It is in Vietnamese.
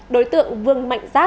đối tượng vương mạnh giác